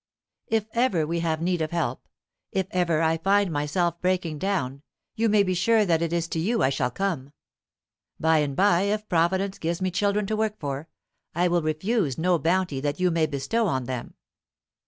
If ever we have need of help if ever I find myself breaking down you may be sure that it is to you I shall come. By and by, if Providence gives me children to work for, I will refuse no bounty that you may bestow on them.